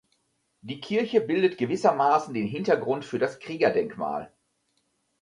Die Kirche bildet gewissermaßen den Hintergrund für das Kriegerdenkmal.